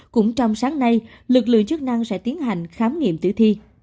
cũng trong sáng nay lực lượng chức năng sẽ tiến hành khám nghiệm tử thi